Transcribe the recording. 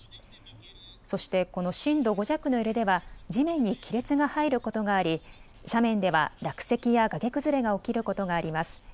そして、この震度５弱の揺れでは地面に亀裂が入ることがあり斜面では落石や崖崩れが起きることがあります。